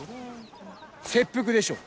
切腹でしょ！